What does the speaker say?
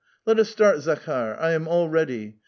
"Let us start, Zakhdr; I am all ready.